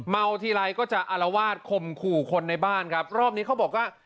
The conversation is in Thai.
ทีไรก็จะอารวาสคมขู่คนในบ้านครับรอบนี้เขาบอกว่า